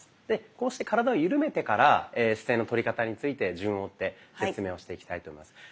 でこうして体を緩めてから姿勢のとり方について順を追って説明をしていきたいと思います。